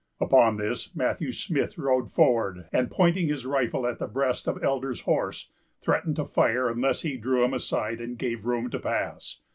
Upon this, Matthew Smith rode forward, and, pointing his rifle at the breast of Elder's horse, threatened to fire unless he drew him aside, and gave room to pass.